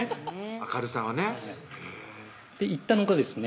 明るさはねへぇ行ったのがですね